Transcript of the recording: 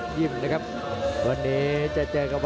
เจ้าพี่และชาลิ้ว